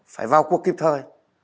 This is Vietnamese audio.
phải vào cuộc kịp thời